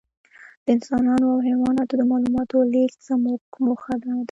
د انسانانو او حیواناتو د معلوماتو لېږد زموږ موخه نهده.